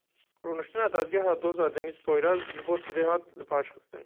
Rûniştina dadgeha doza Deniz Poyraz ji bo sibê hat lipaşxistin.